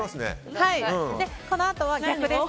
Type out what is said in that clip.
このあとは逆です。